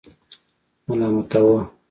ملامتاوه.